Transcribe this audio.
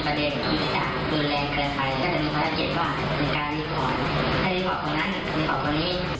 ความที่สามารถดูแลเกินไปถ้าจะเป็นภารกิจว่าคือการรีบของนั้นคือการรีบของตัวนี้